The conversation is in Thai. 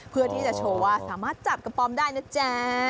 เพื่อที่จะโชว์ว่าสามารถจับกระป๋อมได้นะจ๊ะ